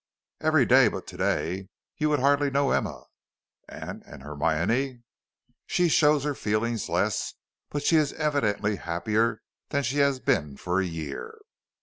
"Every day but to day. You would hardly know Emma." "And and Hermione?" "She shows her feelings less, but she is evidently happier than she has been for a year."